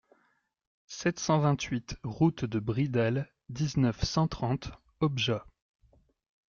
sept cent vingt-huit route de Bridal, dix-neuf, cent trente, Objat